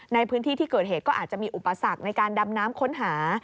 ในพื้นที่ที่เกิดเหตุก็อาจจะมีอุปสรรคในการดำน้ำค้นหา